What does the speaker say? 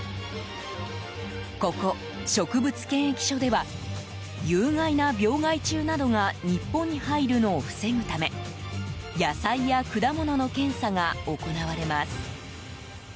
ここ、植物検疫所では有害な病害虫などが日本に入るのを防ぐため野菜や果物の検査が行われます。